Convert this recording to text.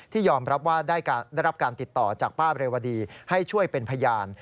ยอมรับว่าได้รับการติดต่อจากป้าเรวดีให้ช่วยเป็นพยาน